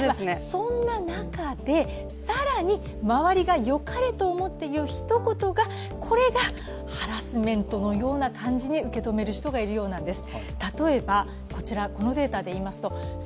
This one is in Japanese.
そんな中で、更に周りがよかれと思って言うひと言が、これがハラスメントのような感じに受け止める人がいるようなんです。